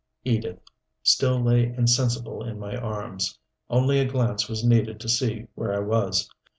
Edith still lay insensible in my arms. Only a glance was needed to see where I was.